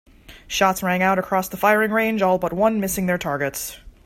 Shots rang out across the firing range, all but one missing their targets.